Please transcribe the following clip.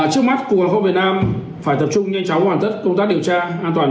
trước mắt cục hàng không việt nam phải tập trung nhanh chóng hoàn tất công tác điều tra an toàn